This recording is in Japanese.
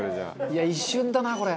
「いや一瞬だなこれ」